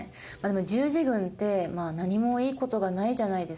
十字軍って何もいいことがないじゃないですか。